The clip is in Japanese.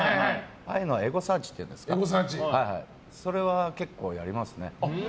ああいうのエゴサーチというんですかそれは結構やりますね。